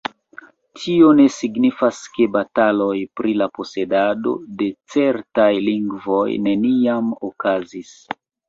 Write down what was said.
Tio ne signifas ke bataloj pri la posedado de certaj lingvoj neniam okazis